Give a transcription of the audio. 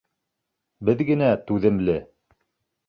Беҙ генә түҙемле...